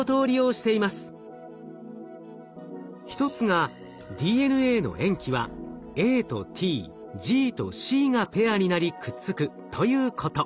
一つがＤＮＡの塩基はＡとＴＧとＣがペアになりくっつくということ。